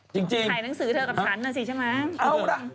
ใช้หนังสือเธอกับฉันนะสิ